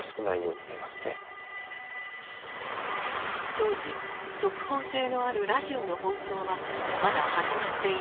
当時速報性のあるラジオの放送はまだ始まっていなかった。